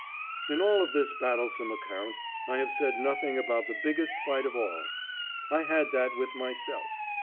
In all of this battlesome account I have said nothing about the biggest fight of all. I had that with myself.